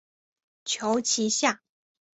求其下